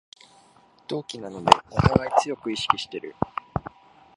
同期なのでおたがい強く意識してる